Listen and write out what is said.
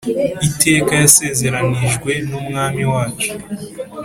iteka yasezeranijwe n'Umwami wacu.